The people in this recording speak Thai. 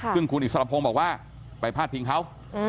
ซึ่งคุณอิสรพงศ์บอกว่าไปพาดพิงเขา